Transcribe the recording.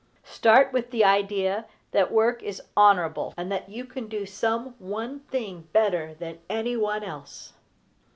Start with the idea that work is honorable, and that you can do some one thing better than any one else.